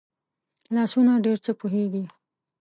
لاسونه ډېر څه پوهېږي